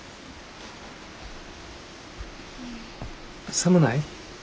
寒ない？